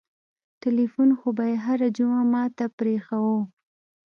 ټېلفون خو به يې هره جمعه ما ته پرېښووه.